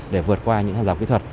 để vượt qua những tham gia kỹ thuật